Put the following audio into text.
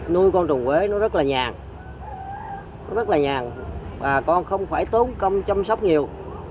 nui con run quế nó rất là nhàng bà con không phải tốn công chăm sóc nhiều